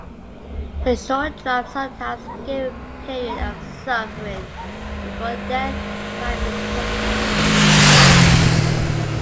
The short drop sometimes gave a period of suffering before death finally took place.